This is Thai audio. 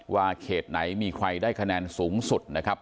เขตไหนมีใครได้คะแนนสูงสุดนะครับ